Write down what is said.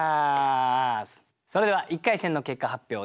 それでは１回戦の結果発表です。